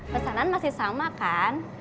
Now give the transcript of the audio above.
pesanan masih sama kan